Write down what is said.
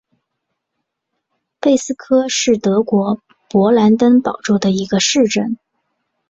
贝斯科是德国勃兰登堡州的一个市镇。